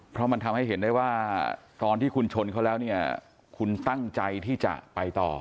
เพราะมันทำให้เห็นได้ว่าตอนที่คุณชนเขาแล้วเนี่ยคุณตั้งใจที่จะไปต่อ